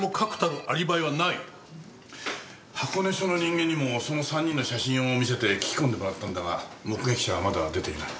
箱根署の人間にもその３人の写真を見せて聞き込んでもらったんだが目撃者はまだ出ていない。